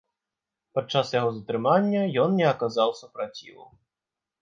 Падчас яго затрымання ён не аказаў супраціву.